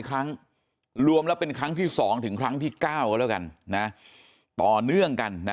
ครั้งรวมแล้วเป็นครั้งที่๒ถึงครั้งที่๙ก็แล้วกันต่อเนื่องกัน